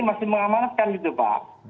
kita harus mengamalkan gitu pak